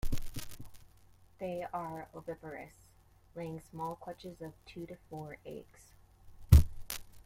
They are oviparous, laying small clutches of two to four eggs.